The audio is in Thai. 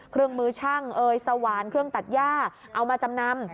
เครื่องมือช่างเอ่ยสว่านเครื่องตัดย่าเอามาจำนำ